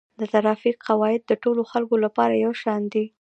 د ترافیک قواعد د ټولو خلکو لپاره یو شان دي.